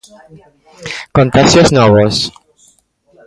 Contaxios novos.